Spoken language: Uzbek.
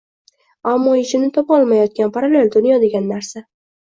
ammo yechimini topolmayotgan – parallel dunyo degan narsa